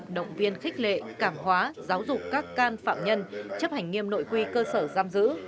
động viên khích lệ cảm hóa giáo dục các can phạm nhân chấp hành nghiêm nội quy cơ sở giam giữ